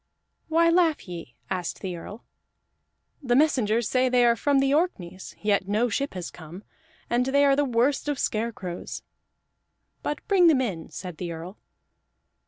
"Why laugh ye?" asked the Earl. "The messengers say they are from the Orkneys, yet no ship has come, and they are the worst of scarecrows." "But bring them in," said the Earl.